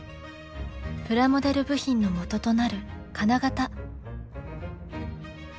プラモデル部品のもととなる金型。